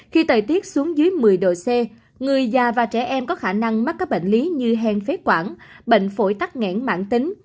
khi thời tiết xuống dưới một mươi độ c người già và trẻ em có khả năng mắc các bệnh lý như hèn phế quản bệnh phổi tắc nghẽn mạng tính